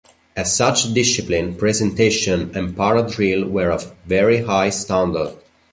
As such discipline, presentation, and parade drill were of a very high standard.